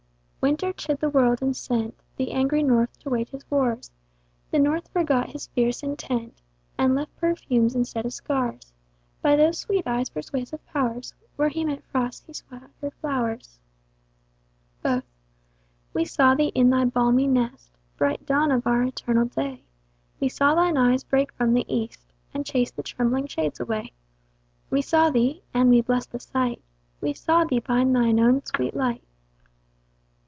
Winter chid the world, and sent The angry North to wage his wars: The North forgot his fierce intent, And left perfumes, instead of scars: By those sweet eyes' persuasive powers, Where he meant frosts, he scattered flowers. Both. We saw thee in thy balmy nest, Bright dawn of our eternal day; We saw thine eyes break from the east, And chase the trembling shades away: We saw thee (and we blest the sight) We saw thee by thine own sweet light.